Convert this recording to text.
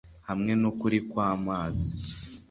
hamwe nukuri kwamazi